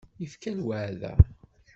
Yefka lweɛda.